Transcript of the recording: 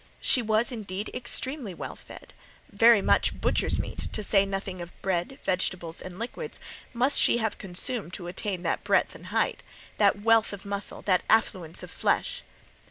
She was, indeed, extremely well fed: very much butcher's meat—to say nothing of bread, vegetables, and liquids—must she have consumed to attain that breadth and height, that wealth of muscle, that affluence of flesh.